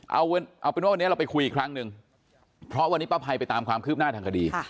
เอาเป็นว่าวันนี้เราไปคุยอีกครั้งหนึ่งเพราะวันนี้ป้าภัยไปตามความคืบหน้าทางคดี